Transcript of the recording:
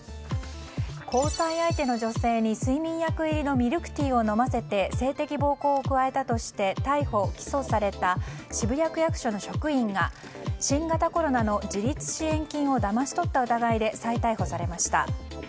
交際相手の女性に、睡眠薬入りのミルクティーを飲ませて性的暴行を加えたとして逮捕・起訴された渋谷区役所の職員が新型コロナの自立支援金をだまし取った疑いで再逮捕されました。